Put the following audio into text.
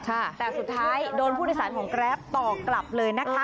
แต่สุดท้ายโดนผู้โดยสารของแกรปต่อกลับเลยนะคะ